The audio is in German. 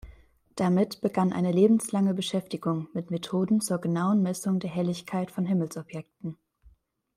Damit begann eine lebenslange Beschäftigung mit Methoden zur genauen Messung der Helligkeit von Himmelsobjekten.